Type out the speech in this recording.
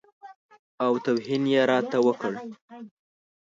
او توهین یې راته وکړ.